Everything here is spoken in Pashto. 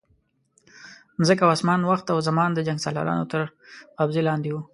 مځکه او اسمان، وخت او زمان د جنګسالارانو تر قبضې لاندې وو.